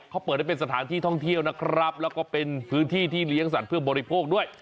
เขาเปิดได้เป็นสถานที่ท่องเที่ยวนะครับแล้วก็เป็นพื้นที่ที่เลี้ยงสัตว์เพื่อบริโภคด้วย